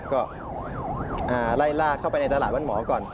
ก็ไล่ลากเข้าไปในตลาดวันหมอก่อน